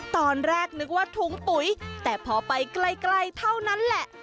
ตอนแรกนึกว่าถุงปุ๋ยแต่พอไปไกลเท่านั้นแหละ